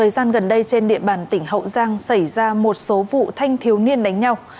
gần đây trên địa bàn tỉnh hậu giang xảy ra một số vụ thanh thiếu niên đánh nhau